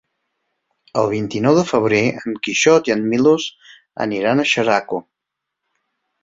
El vint-i-nou de febrer en Quixot i en Milos aniran a Xeraco.